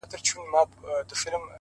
هوډ د نامعلومو لارو زړورتیا ده.!